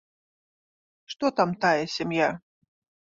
Што там тая сям'я?